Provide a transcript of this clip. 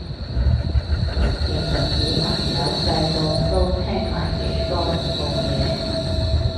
其實小朋友細個都聽埋幾多恐怖嘢